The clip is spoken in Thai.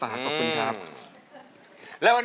ผมร้องได้ให้ร้อง